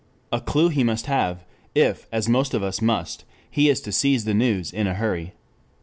A clue he must have if, as most of us must, he is to seize the news in a hurry.